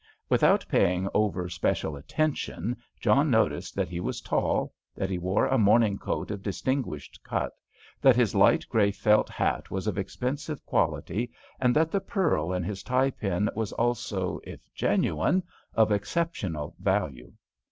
Without paying over especial attention, John noticed that he was tall, that he wore a morning coat of distinguished cut, that his light grey felt hat was of expensive quality, and that the pearl in his tie pin was also, if genuine, of exceptional value.